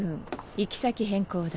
行き先変更だ。